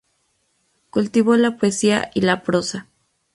Cultivó la poesía y la prosa.